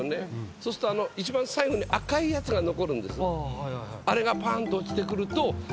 そうすると一番最後に赤いやつが残るんです。